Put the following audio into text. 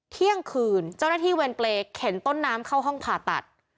เที่ยงคืนเจ้าหน้าที่เวรเปรย์เข็นต้นน้ำเข้าห้องผ่าตัด